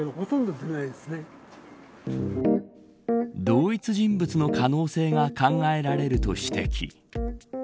同一人物の可能性が考えられると指摘。